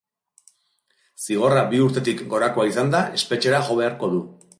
Zigorra bi urtetik gorakoa izanda, espetxera jo beharko du.